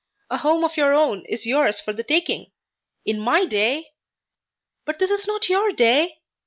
A home of your own is yours for the taking. In my day " "But this is not your day!"